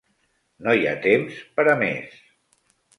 No hi ha temps per a més.